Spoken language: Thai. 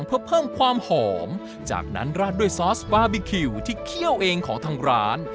ทำไมมันอร่างอย่างนี้